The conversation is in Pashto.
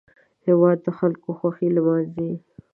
هېواد د خلکو خوښۍ لمانځي